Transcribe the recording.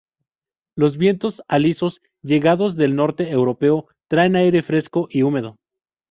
Los vientos alisios —llegados del norte europeo— traen aire fresco y húmedo.